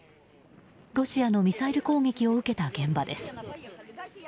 ロシアのミサイル攻撃を受けた現場です。